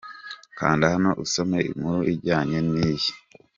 Kanda Hano usome inkuru ijyanye n’iyi.